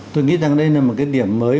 tôi nghĩ rằng đây là một điểm mới